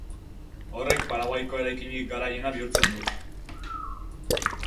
Horrek Paraguaiko eraikinik garaiena bihurtzen du.